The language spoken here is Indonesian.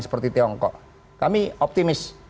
seperti tiongkok kami optimis